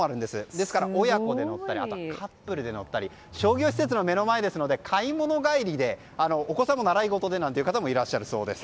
ですから親子で乗ったりカップルで乗ったり商業施設の目の前ですので買い物帰りでお子さんの習い事でという方もいらっしゃるそうです。